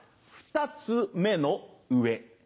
二つ目の上。